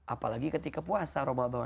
apalagi ketika puasa